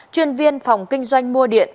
chuyên viên phòng kinh doanh mua điện